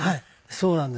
そうなんです。